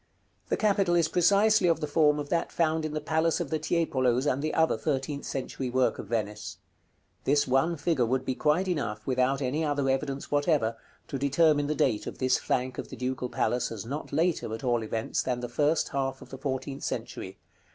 The capital is precisely of the form of that found in the palace of the Tiepolos and the other thirteenth century work of Venice. This one figure would be quite enough, without any other evidence whatever, to determine the date of this flank of the Ducal Palace as not later, at all events, than the first half of the fourteenth century.